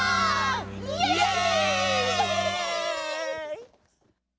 「イエーイ！」